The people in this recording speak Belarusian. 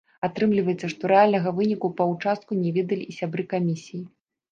Атрымліваецца, што рэальнага выніку па ўчастку не ведалі і сябры камісіі.